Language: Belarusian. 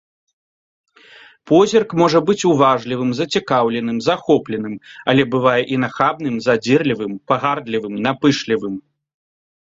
Позірк можа быць уважлівым, зацікаўленым, захопленым, але бывае і нахабным, задзірлівым, пагардлівым, напышлівым.